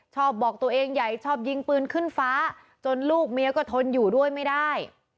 บอกตัวเองใหญ่ชอบยิงปืนขึ้นฟ้าจนลูกเมียก็ทนอยู่ด้วยไม่ได้